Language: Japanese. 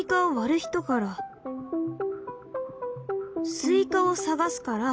スイカを探すから。